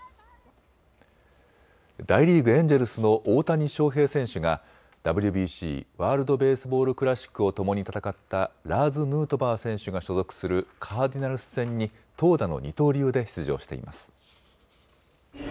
大リーグ、エンジェルスの大谷翔平選手がＷＢＣ・ワールド・ベースボール・クラシックをともに戦ったラーズ・ヌートバー選手が所属するカーディナルス戦に投打の二刀流で出場しています。